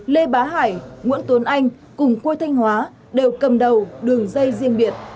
lê bá hải nguyễn tuấn anh cùng quê thanh hóa đều cầm đầu đường dây riêng biệt